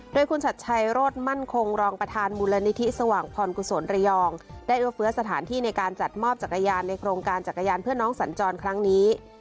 โดยคุณชัดชัยโรธมั่นคงรองประธานมูลนิธิสว่างพรกุศลระยองได้เอื้อเฟื้อสถานที่ในการจัดมอบจักรยานในโครงการจักรยานเพื่อน้องสัญจรครั้งนี้